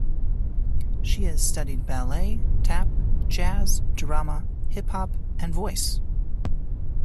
She has studied ballet, tap, jazz, drama, hip-hop, and voice.